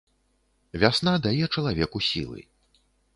Вясна дае чалавеку сілы.